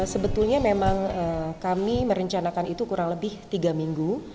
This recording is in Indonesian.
sebetulnya memang kami merencanakan itu kurang lebih tiga minggu